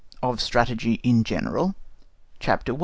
OF STRATEGY IN GENERAL CHAPTER I.